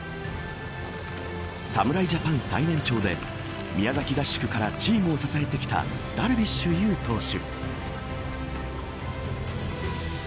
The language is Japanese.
侍ジャパン最年長で宮崎合宿からチームを支えてきたダルビッシュ有投手。